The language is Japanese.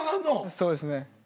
そうですね。